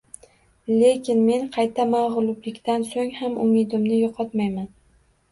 Lekin men qayta mag‘lublikdan so‘ng ham umidimni yo‘qotmayman